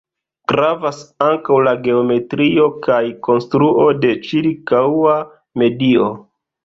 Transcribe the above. Gravas ankaŭ la geometrio kaj konstruo de ĉirkaŭa medio.